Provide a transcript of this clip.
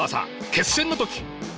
決戦の時。